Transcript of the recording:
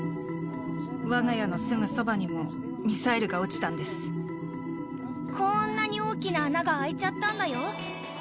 わが家のすぐそばにもミサイこんなに大きな穴が開いちゃったんだよ。